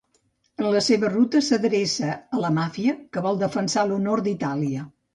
En la seva ruta, s'adreça a la Màfia que vol defensar l'honor d'Itàlia.